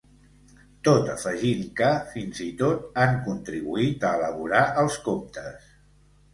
Tot afegint que, fins i tot, han contribuït a elaborar els comptes.